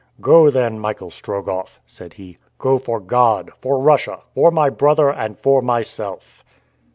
"Go then, Michael Strogoff," said he, "go for God, for Russia, for my brother, and for myself!"